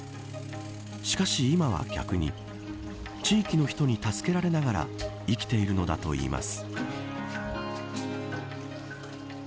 しかし今は、逆に地域の人に助けられながら生きているのだといいます。